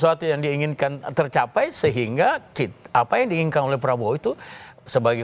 sesuatu yang diinginkan tercapai sehingga apa yang diinginkan oleh prabowo itu sebagai